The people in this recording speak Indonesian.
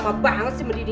lama sekali saya tidur